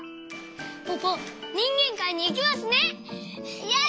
ポポにんげんかいにいけますね！